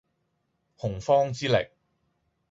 洪荒之力